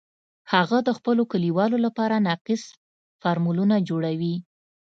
هغه د خپلو کلیوالو لپاره ناقص فارمولونه جوړوي